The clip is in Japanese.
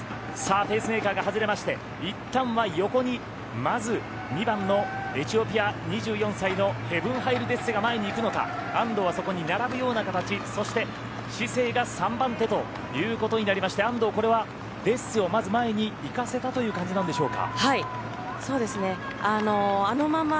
ペースメーカーが外れましていったんは横にまず２番のエチオピア２４歳のヘヴン・ハイル・デッセが前に行くのか安藤はそこに並ぶような形そして、シセイが３番手ということになりまして安藤、これは、デッセをまず前に行かせたという感じなんでしょうか。